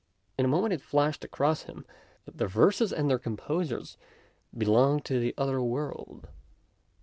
In a moment it flashed across him that the verses and their composers belonged to the other world.